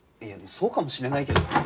いやそうかもしれないけど。